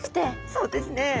そうですね。